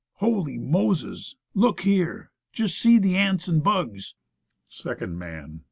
"Holy Moses! Look here. Just see the ants and bugs." Second Man.